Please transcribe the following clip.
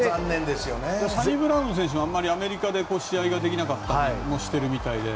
サニブラウン選手もアメリカで試合ができなかったりしてるみたいで。